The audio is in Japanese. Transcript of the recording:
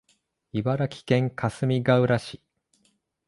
茨城県かすみがうら市